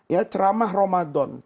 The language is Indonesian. ya ceramah ramadan